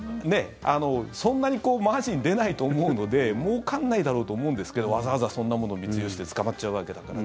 そんなにマージン出ないと思うのでもうからないだろうと思うんですけどわざわざそんなものを密輸して捕まっちゃうわけだから。